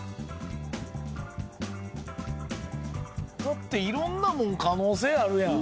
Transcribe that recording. だっていろんなもん可能性あるやん。